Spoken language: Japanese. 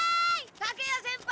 竹谷先輩！